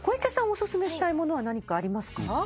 おすすめしたいものは何かありますか？